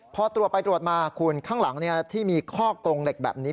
พอตรวจไปตรวจมาคุณข้างหลังที่มีข้อกรงเหล็กแบบนี้